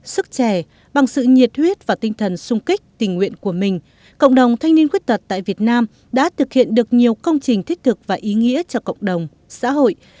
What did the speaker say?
sức trẻ bằng sự nhiệt huyết và tinh thần sung kích tình nguyện của mình cộng đồng thanh niên khuyết tật tại việt nam đã thực hiện được nhiều công trình thích thực và ý nghĩa cho cộng đồng xã hội